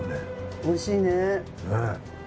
おいしい。